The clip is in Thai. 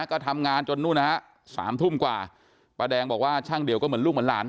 ก็ทำงานจนนู่นนะฮะสามทุ่มกว่าป้าแดงบอกว่าช่างเดี่ยวก็เหมือนลูกเหมือนหลาน